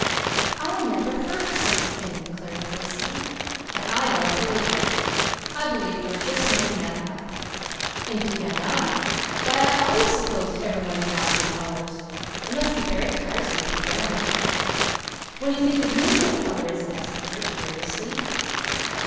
"I never heard of such a thing," declared Felicity, "and I don't believe it. I believe you are just making that up." "Indeed I'm not. Why, I always supposed everyone thought in colours. It must be very tiresome if you don't." "When you think of me what colour is it?" asked Peter curiously.